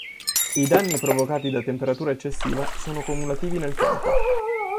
I danni provocati da temperatura eccessiva sono cumulativi nel tempo.